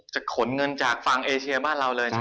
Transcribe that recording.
จะขนเงินจากฝั่งเอเชียบ้านเราเลยใช่มั้ย